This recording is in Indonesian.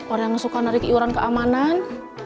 orang yang suka narik iuran keamanan